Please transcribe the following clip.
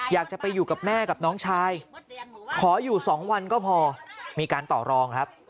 อยากจะไปอยู่กับแม่กับน้องชายขออยู่๒วันก็พอมีการต่อรองครับ